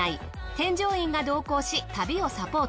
添乗員が同行し旅をサポート。